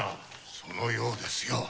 そのようですよ。